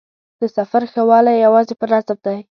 د سفر ښه والی یوازې په نظم دی.